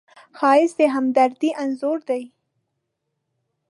ښایست د همدردۍ انځور دی